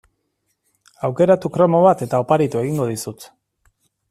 Aukeratu kromo bat eta oparitu egingo dizut.